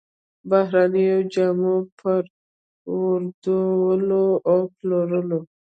بهرنيو جامو پر واردولو او پلورلو